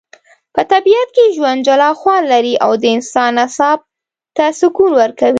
په طبیعت کي ژوند جلا خوندلري.او د انسان اعصاب ته سکون ورکوي